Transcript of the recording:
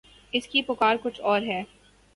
اس کی پکار کچھ اور ہے۔